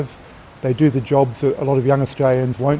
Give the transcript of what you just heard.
mereka melakukan pekerjaan yang tidak banyak orang australia yang lakukan